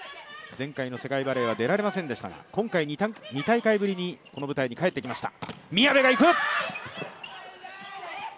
前回の世界バレーは出られませんでしたが今回、２大会ぶりにこの舞台に帰ってきました。